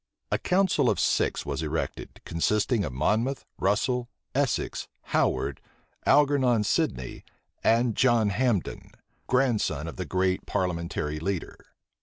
A council of six was erected, consisting of Monmouth, Russel, Essex, Howard, Algernon Sidney, and John Hambden, grandson of the great parliamentary leader.